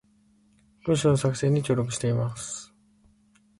文章の作成に協力しています